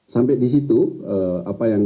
sampai di situ apa yang